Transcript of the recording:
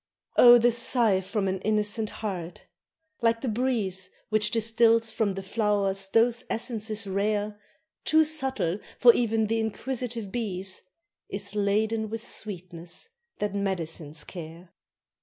Oh! the sigh from an innocent heart like the breeze Which distils from the flowers those essences rare, Too subtle for e'en the inquisitive bees Is laden with sweetness that medicines care.